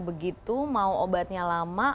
begitu mau obatnya lama